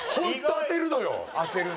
当てるね。